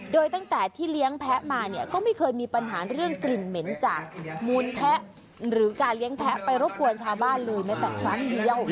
โดยตั้งแต่ที่เลี้ยงแพ้มาเนี่ยก็ไม่เคยมีปัญหาเรื่องกลิ่นเหม็นจากมูลแพะหรือการเลี้ยงแพ้ไปรบกวนชาวบ้านเลยแม้แต่ครั้งเดียว